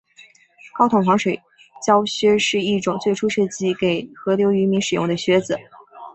高筒防水胶靴是一种最初设计给河流渔民使用的靴子。